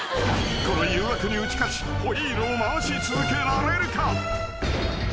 ［この誘惑に打ち勝ちホイールを回し続けられるか？］